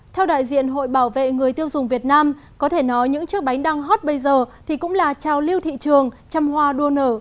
theo đại diện hội bảo vệ người tiêu dùng việt nam có thể nói những chiếc bánh đang hot bây giờ thì cũng là trao lưu thị trường chăm hoa đua nở